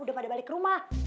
udah pada balik ke rumah